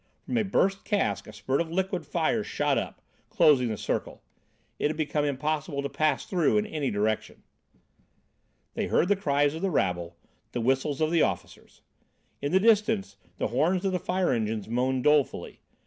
From a burst cask a spurt of liquid fire shot up, closing the circle. It had become impossible to pass through in any direction. They heard the cries of the rabble, the whistles of the officers. In the distance the horns of the fire engines moaned dolefully.